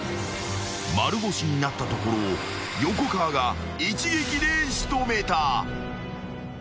［丸腰になったところを横川が一撃で仕留めた］